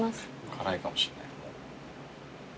辛いかもしれない。